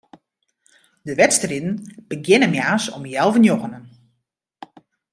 De wedstriden begjinne moarns om healwei njoggenen.